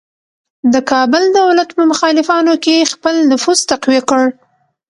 د کابل دولت په مخالفانو کې خپل نفوذ تقویه کړ.